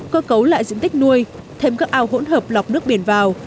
cơ cấu lại diện tích nuôi thêm các ao hỗn hợp lọc nước biển vào